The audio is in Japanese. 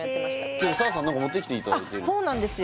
今日澤さん何か持ってきていただいてるそうなんですよ